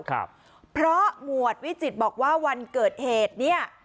ครับเพราะหมวดวิจิตรบอกว่าวันเกิดเหตุเนี้ย